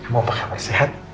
mau pakai apa sehat